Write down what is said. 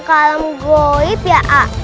ke alam goib ya